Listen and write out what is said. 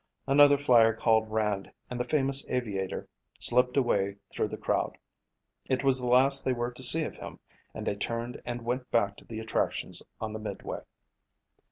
Another flyer called Rand and the famous aviator slipped away through the crowd. It was the last they were to see of him and they turned and went back to the attractions of the midway.